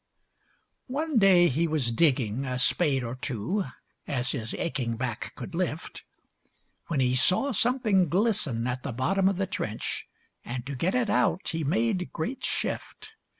One day he was digging, a spade or two, As his aching back could lift, When he saw something glisten at the bottom of the trench, And to get it out he made great shift.